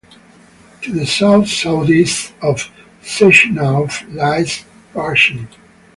To the south-southeast of Sechenov lies Paschen.